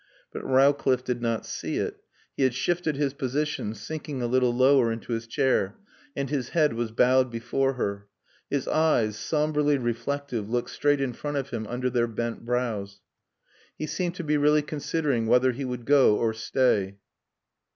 But Rowcliffe did not see it. He had shifted his position, sinking a little lower into his chair, and his head was bowed before her. His eyes, somberly reflective, looked straight in front of him under their bent brows. He seemed to be really considering whether he would go or stay.